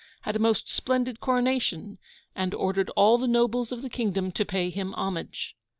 had a most splendid coronation, and ordered all the nobles of the kingdom to pay him homage.